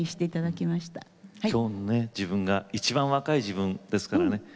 きょうの自分が一番若い自分ですからね。